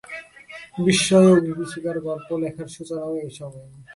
বিস্ময় ও বিভীষিকার গল্প লেখার সূচনাও এই সময়েই।